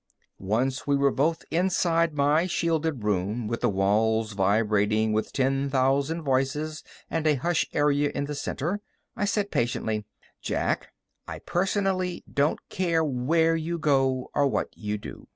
Once we were both inside my shielded room with the walls vibrating with ten thousand voices and a hush area in the center, I said patiently, "Jack, I personally don't care where you go or what you do.